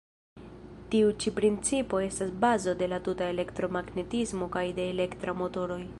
Tiu ĉi principo estas bazo de la tuta elektromagnetismo kaj de elektraj motoroj.